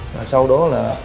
và sau đó là